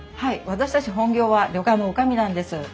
私たち本業は旅館の女将なんです。